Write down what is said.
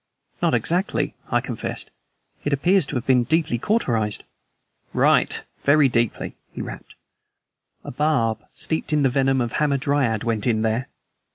"Not exactly," I confessed. "It appears to have been deeply cauterized." "Right! Very deeply!" he rapped. "A barb steeped in the venom of a hamadryad went in there!"